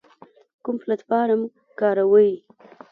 کوم پلتفارم کاروئ؟